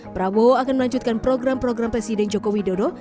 prabowo akan melanjutkan program program presiden joko widodo